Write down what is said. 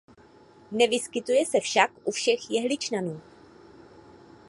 Nevyskytuje se však u všech jehličnanů.